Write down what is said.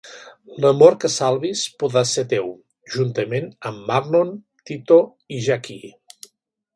L'amor que salvis podrà ser teu, juntament amb Marlon, Tito i Jackie.